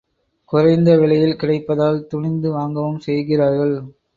குறைந்த விலையில் கிடைப்பதால் துணிந்து வாங்கவும் செய்கிறார்கள்.